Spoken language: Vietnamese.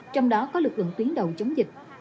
trong đó có lực lượng tuyến đầu chống dịch